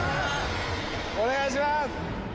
お願いします！